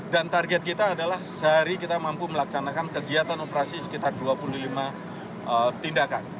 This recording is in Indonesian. dan target kita adalah sehari kita mampu melaksanakan kegiatan operasi sekitar dua puluh lima tindakan